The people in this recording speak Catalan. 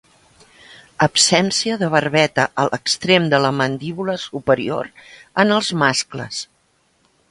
Absència de barbeta a l'extrem de la mandíbula superior en els mascles.